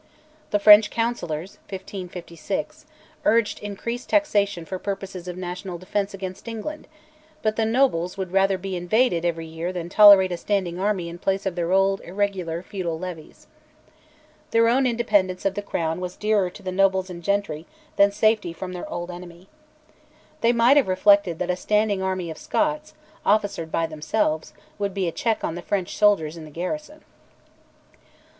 The French counsellors (1556) urged increased taxation for purposes of national defence against England; but the nobles would rather be invaded every year than tolerate a standing army in place of their old irregular feudal levies. Their own independence of the Crown was dearer to the nobles and gentry than safety from their old enemy. They might have reflected that a standing army of Scots, officered by themselves, would be a check on the French soldiers in garrison.